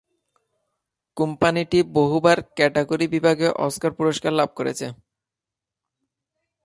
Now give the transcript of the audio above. কোম্পানিটি বহুবার কারিগরি বিভাগে অস্কার পুরস্কার লাভ করেছে।